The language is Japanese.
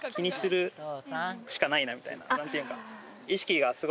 みたいな何ていうか。